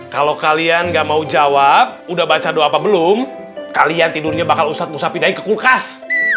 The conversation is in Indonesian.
kalau kalian gak mau jawab udah baca doa apa belum kalian tidurnya bakal ustadz nusa pindahin ke kulkas